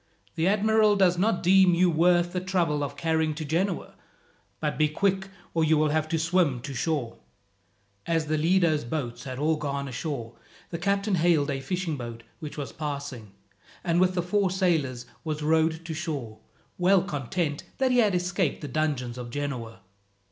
"The admiral does not deem you worth the trouble of carrying to Genoa; but be quick, or you will have to swim to shore." As the Lido's boats had all gone ashore, the captain hailed a fishing boat which was passing, and with the four sailors was rowed to shore, well content that he had escaped the dungeons of Genoa.